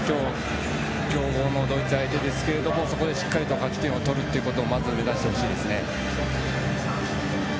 強豪のドイツ相手ですがそこでしっかりと勝ち点を取ることをまず目指してほしいですね。